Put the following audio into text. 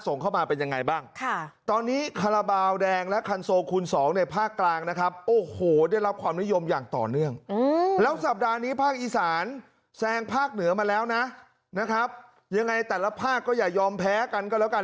แซงภาคเหนือมาแล้วนะนะครับยังไงแต่ละภาคก็อย่ายอมแพ้กันก็แล้วกัน